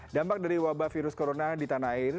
dampak dari wabah virus corona di tanah air